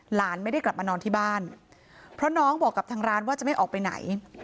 หลานไม่ได้กลับมานอนที่บ้านเพราะน้องบอกกับทางร้านว่าจะไม่ออกไปไหน